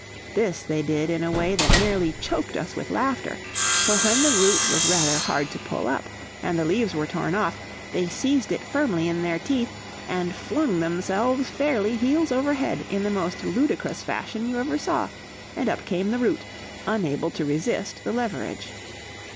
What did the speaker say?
This they did in a way that nearly choked us with laughter, for when the root was rather hard to pull up, and the leaves were torn off, they seized it firmly in their teeth, and flung themselves fairly heels over head in the most ludicrous fashion you ever saw, and up came the root, unable to resist the leverage!